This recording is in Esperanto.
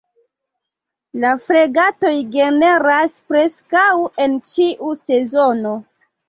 La fregatoj generas preskaŭ en ĉiu sezono.